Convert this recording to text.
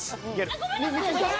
あっごめんなさい。